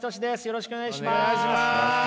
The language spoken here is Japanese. よろしくお願いします。